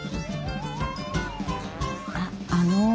あっあの。